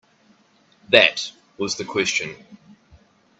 That was the question.